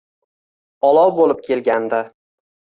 Olov bo’lib kelgandi.